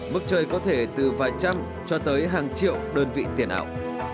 mức chơi có thể từ vài trăm cho tới hàng triệu đơn vị tiền ảo